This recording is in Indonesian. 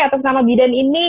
atas nama bidan ini